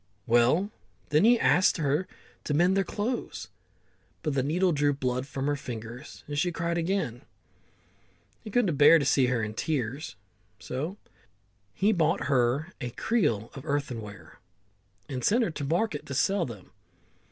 Well, then he asked her to mend their clothes, but the needle drew blood from her fingers, and she cried again. He couldn't bear to see her tears, so he bought a creel of earthenware, and sent her to the market to sell them.